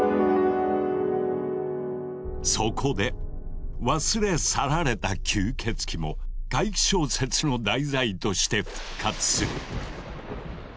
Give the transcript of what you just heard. そこで忘れ去られた吸血鬼も怪奇小説の題材として復活する。